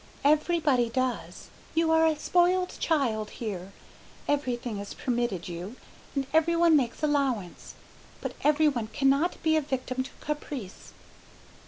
Everybody does. You are a spoiled child here. Everything is permitted you and every one makes allowance, but every one cannot be a victim to caprice."